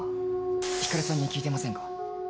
光莉さんに聞いてませんか？